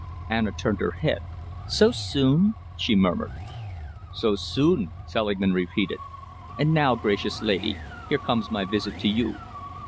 Anna turned her head. "So soon!" she murmured. "So soon," Selingman repeated. "And now, gracious lady, here comes my visit to you.